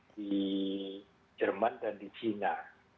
di jerman dan di china